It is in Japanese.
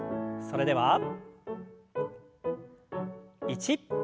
それでは１。